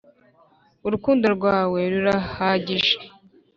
urukundo rwawe rurahagije